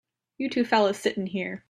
You two fellas sit in here.